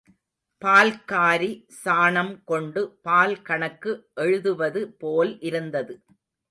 பால்காரி சாணம் கொண்டு பால் கணக்கு எழுதுவது போல் இருந்தது.